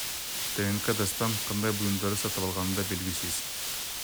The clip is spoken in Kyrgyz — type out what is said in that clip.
ТНК Дастан кандай буюмдарды сатып алганы да белгисиз.